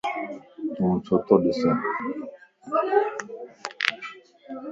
تون ڇو تو ڏسي؟